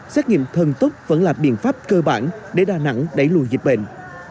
xét nghiệm thần tốc vẫn là biện pháp cơ bản để đà nẵng đẩy lùi dịch bệnh